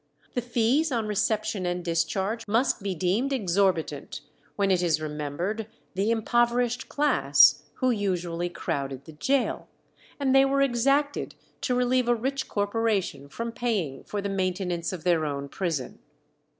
The fees on reception and discharge must be deemed exorbitant, when it is remembered the impoverished class who usually crowded the gaol; and they were exacted to relieve a rich corporation from paying for the maintenance of their own prison.